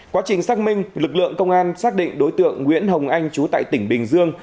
quá trình xác minh lực lượng công an xác định đối tượng nguyễn hồng anh chú tại tỉnh bình dương